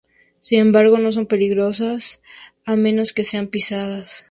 Sin embargo, no son peligrosas a menos que sean pisadas.